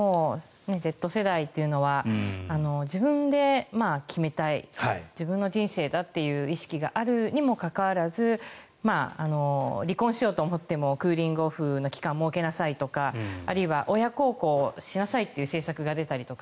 Ｚ世代は自分で決めたい自分の人生だという意識があるにもかかわらず離婚しようと思ってもクーリングオフの期間を設けましょうとかあるいは、親孝行をしなさいという政策が出たりとか。